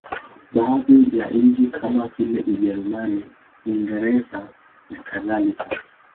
Baadhi ya nchi kama vile Ujerumani, Uingereza nakadhalika.